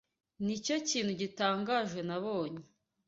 Nicyo kintu gitangaje nabonye.